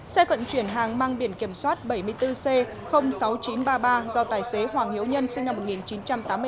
xe vận chuyển hàng mang biển kiểm soát bảy mươi bốn c sáu nghìn chín trăm ba mươi ba do tài xế hoàng hiếu nhân sinh năm một nghìn chín trăm tám mươi bốn